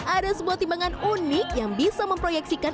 ada sebuah timbangan unik yang bisa memproyeksikan